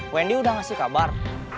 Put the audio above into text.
wendy udah ngasih kabar